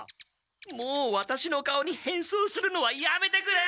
もうワタシの顔に変装するのはやめてくれ！